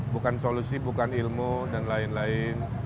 bukan solusi bukan ilmu dan lain lain